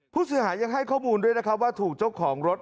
ผู้เสียหายังให้ข้อมูลด้วยนะครับว่าถูกเจ้าของรถ